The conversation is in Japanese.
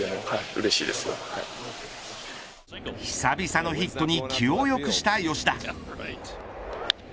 久々のヒットに気をよくした吉田。